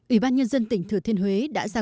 ủy ban nhân dân tỉnh thừa thiên huế đã ra